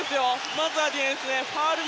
まずはディフェンス。